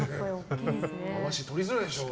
回し取りづらいでしょ。